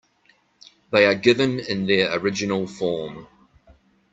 They are given in their original form.